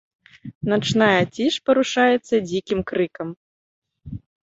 Начная ціш парушаецца дзікім крыкам.